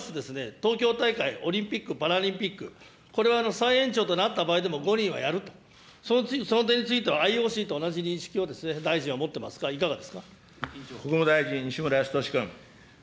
東京大会、オリンピック・パラリンピック、これは再延長となった場合でも五輪はやると、その点についてはＩＯＣと同じ認識を大臣国務大臣、西村康稔君。